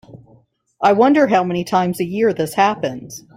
I wonder how many times a year this happens.